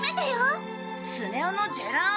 スネ夫のジェラー